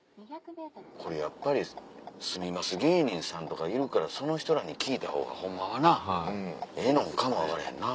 これやっぱり住みます芸人さんとかいるからその人らに聞いたほうがホンマはなええのんかも分からへんな。